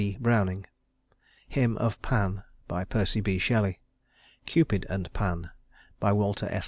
BROWNING Hymn of Pan PERCY B. SHELLEY Cupid and Pan WALTER S.